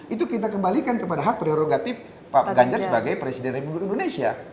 itu kita kembalikan kepada hak prerogatif pak ganjar sebagai presiden republik indonesia